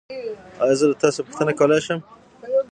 ایا زه له تاسو پوښتنه کولی شم؟